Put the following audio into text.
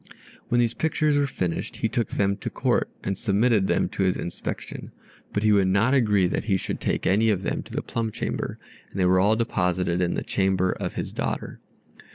When these pictures were finished he took them to Court, and submitted them to his inspection; but he would not agree that he should take any of them to the plum chamber; and they were all deposited in the chamber of his daughter.